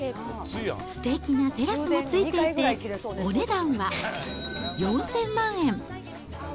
すてきなテラスもついていて、お値段は４０００万円。